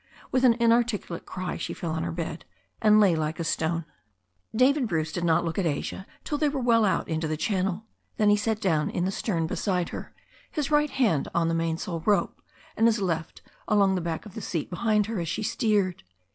With an inarticulate cry she fell on her bed, and laji; like a stone. David Bruce did not look. at Asia till they were well out into the channel. Then he sat down in the stern beside her, his right hand on the mainsail rope, and his left along the back of the seat behind her as she steered.